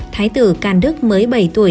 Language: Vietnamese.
thái tử càn đức mới bảy tuổi